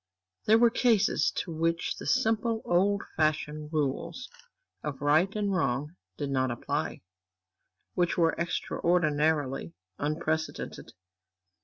There were cases to which the simple, old fashioned rules of right and wrong did not apply, which were extraordinary, unprecedented....